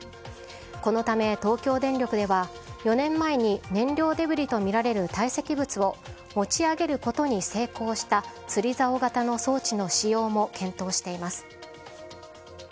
このため、東京電力では４年前に燃料デブリとみられる堆積物を持ち上げることに成功した釣りざお型の装置の使用も検討しています。